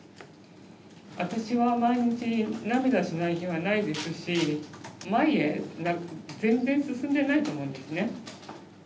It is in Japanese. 私は毎日涙しない日はないですし前へ全然進んでないと思うんですね。